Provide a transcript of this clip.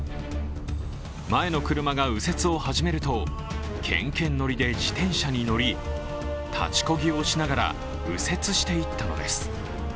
前の車が右折を始めるとけんけん乗りで自転車に乗り立ちこぎをしながら右折していったのです。